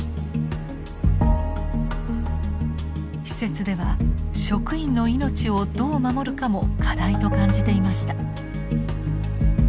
施設では職員の命をどう守るかも課題と感じていました。